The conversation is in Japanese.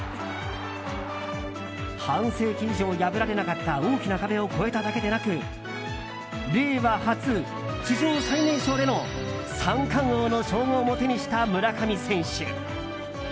半世紀以上破られなかった大きな壁を越えただけでなく令和初、史上最年少での三冠王の称号も手にした村上選手。